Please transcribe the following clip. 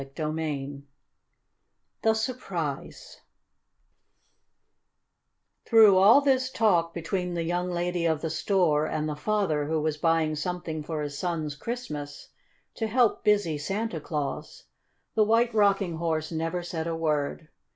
CHAPTER IV THE SURPRISE Through all this talk between the young lady of the store and the father who was buying something for his son's Christmas, to help busy Santa Claus, the White Rocking Horse never said a word.